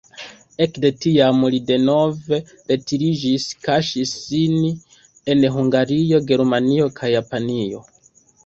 Ekde tiam li denove retiriĝis, kaŝis sin en Hungario, Germanio kaj Japanio.